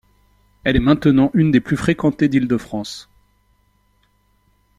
Elle est maintenant une des plus fréquentées d'Île-de-France.